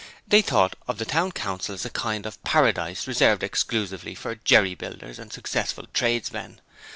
They thought of the Town Council as a kind of Paradise reserved exclusively for jerry builders and successful tradesmen.